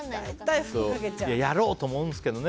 やろうと思うんですけどね